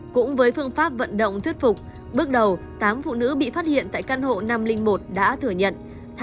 cũng với phương pháp vận động thuyết phục bước đầu tám phụ nữ bị phát hiện tại căn hộ năm trăm linh một đã thừa nhận tham gia mang thai hộ theo gợi ý của trần thị ba